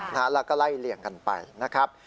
แล้วก็ไล่เลี่ยงกันไปนะครับ